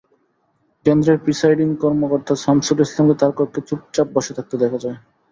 কেন্দ্রের প্রিসাইডিং কর্মকর্তা সামছুল ইসলামকে তাঁর কক্ষে চুপচাপ বসে থাকতে দেখা যায়।